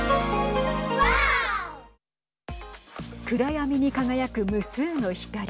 暗闇に輝く無数の光。